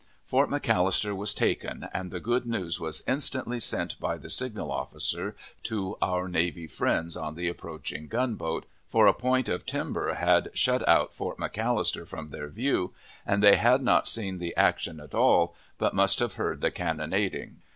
Fort McAllister was taken, and the good news was instantly sent by the signal officer to our navy friends on the approaching gunboat, for a point of timber had shut out Fort McAllister from their view, and they had not seen the action at all, but must have heard the cannonading.